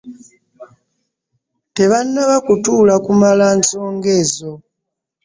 Tebannaba kutuula kumala nsonga ezo.